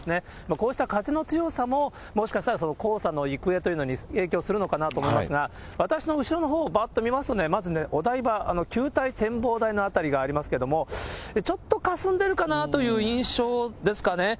こうした風の強さももしかしたら、黄砂の行方というのに影響するのかなと思いますが、私の後ろのほう、ばっと見ますとね、お台場、球体展望台の辺りがありますけれども、ちょっとかすんでるかなという印象ですかね。